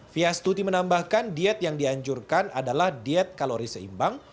fia stuti menambahkan diet yang dianjurkan adalah diet kalori seimbang